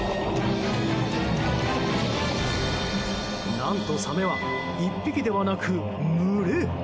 何とサメは１匹ではなく群れ。